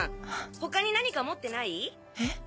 他に何か持ってない？え？